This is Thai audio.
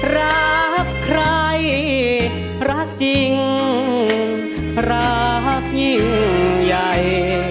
รักใครรักจริงรักยิ่งใหญ่